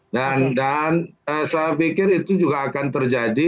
dan saya pikir itu juga akan terjadi